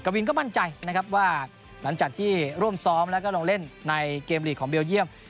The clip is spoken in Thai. วินก็มั่นใจนะครับว่าหลังจากที่ร่วมซ้อมแล้วก็ลงเล่นในเกมลีกของเบลเยี่ยม